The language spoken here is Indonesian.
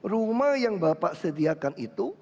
rumah yang bapak sediakan itu